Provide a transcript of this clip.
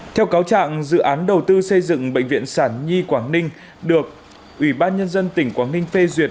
theo cáo trạng dự án đầu tư xây dựng bệnh viện sản nhi quảng ninh được ủy ban nhân dân tỉnh quảng ninh phê duyệt